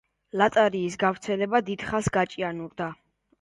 ლატარიის გავრცელება დიდხანს გაჭიანურდა.